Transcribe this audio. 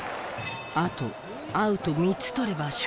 あとアウト３つ取れば勝利が決まる。